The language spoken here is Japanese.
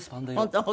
本当。